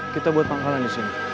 kita buat pangkalan disini